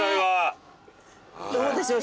どうでしょう？